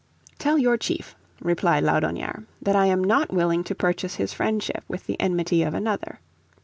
"Tell your chief, replied Laudonnière, " that I am not willing to purchase his friendship with the enmity of another.